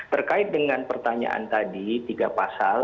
terkait dengan pertanyaan tadi tiga pasal